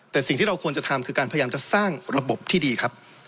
แต่สิ่งที่เราควรจะทำคือการพยายามจะสร้างระบบที่ดีครับ